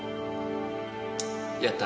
やった。